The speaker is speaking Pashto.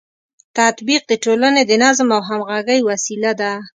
تطبیق د ټولنې د نظم او همغږۍ وسیله ده.